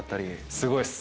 すごいです。